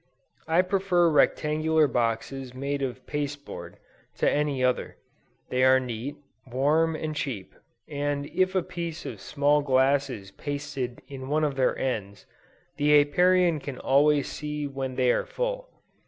I prefer rectangular boxes made of pasteboard, to any other: they are neat, warm and cheap; and if a small piece of glass is pasted in one of their ends, the Apiarian can always see when they are full.